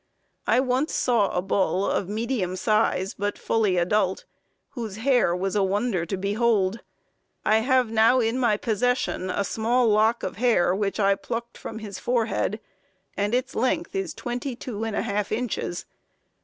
I once saw a bull, of medium size but fully adult, whose hair was a wonder to behold. I have now in my possession a small lock of hair which I plucked from his forehead, and its length is 221/2 inches.